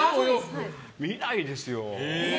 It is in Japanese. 見ないですよ。